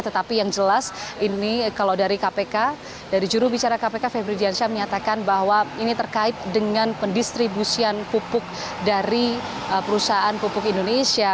tetapi yang jelas ini kalau dari kpk dari jurubicara kpk febri diansyah menyatakan bahwa ini terkait dengan pendistribusian pupuk dari perusahaan pupuk indonesia